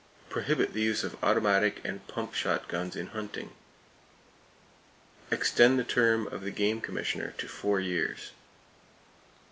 Prohibit the use of automatic and pump shot guns in hunting. Extend the term of the game commissioner to four years.